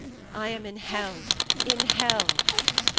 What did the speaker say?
I am in hell! in hell!"